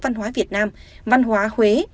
văn hóa việt nam văn hóa huế